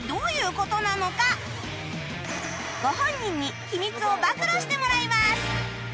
ご本人に秘密を暴露してもらいます！